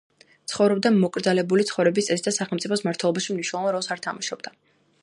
ცხოვრობდა მოკრძალებული ცხოვრების წესით და სახელმწიფოს მმართველობაში მნიშვნელოვან როლს არ თამაშობდა.